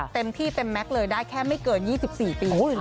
เต็มที่กำทับเลยได้แค่ไม่เกิน๒๔ปี